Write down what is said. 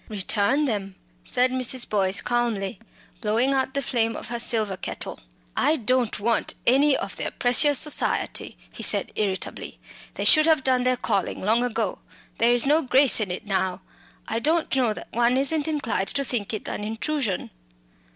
"Return them," said Mrs. Boyce, calmly, blowing out the flame of her silver kettle. "I don't want any of their precious society," he said irritably. "They should have done their calling long ago. There's no grace in it now; I don't know that one isn't inclined to think it an intrusion."